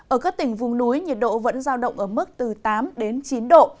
ở các tỉnh vùng núi nhiệt độ vẫn giao động ở mức từ tám đến chín độ